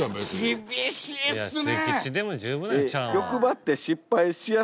厳しいっすね！